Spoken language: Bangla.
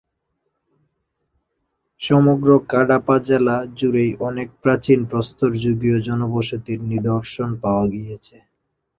সমগ্র কাডাপা জেলা জুড়েই অনেক প্রাচীন প্রস্তরযুগীয় জনবসতির নিদর্শন পাওয়া গিয়েছে।